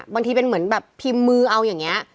บางทีเป็นเหมือนแบบพิมพ์มือเอาอย่างนี้